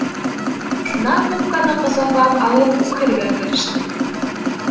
Шунан Любканы ҡосаҡлап алып үкһергә кереште.